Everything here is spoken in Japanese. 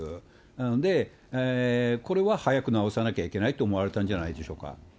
なので、これは早く直さなきゃいけないと思われたのではないでしょうか。